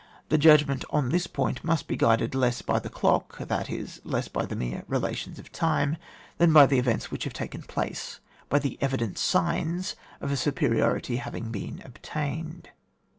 The judgment on this point must be guided less by the clock, that is, less by the mere relations of time, than by the events which have taken place, by the evident signs of a superiority having been obtained.